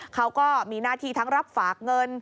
เขาก็มีหน้าที่ทั้งรับฝากเงิน